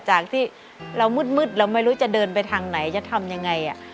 จากที่เรามืดเราไม่รู้จะเดินไปทางไหนจะทำยังไง